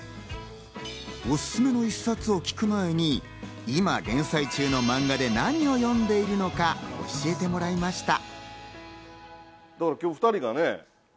オススメの１冊を聞く前に、今、連載中のマンガで何を読んでいるのか教えてもらいました。